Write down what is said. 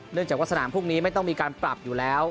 เนื่องจากว่าสนามพวกนี้ไม่ต้องมีการปรับอยู่แล้ว